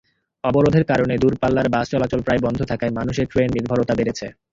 অবরোধের কারণে দূরপাল্লার বাস চলাচল প্রায় বন্ধ থাকায় মানুষের ট্রেন-নির্ভরতা বেড়েছে।